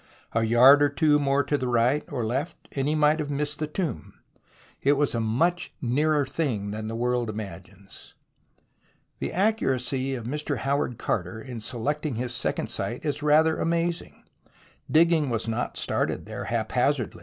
A yard or two more to the right or left, and he might have missed the tomb. It was a much nearer thing than the world imagines. The accuracy of Mr. Howard Carter in selecting his second site is rather amazing. Digging was not started there haphazard.